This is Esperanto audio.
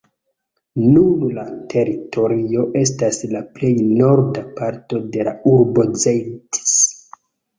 Nun la teritorio estas la plej norda parto de la urbo Zeitz.